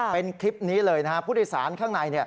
เป็นคลิปนี้เลยนะฮะผู้โดยสารข้างใน